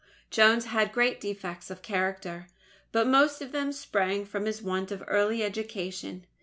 Jones had great defects of character; but most of them sprang from his want of early education.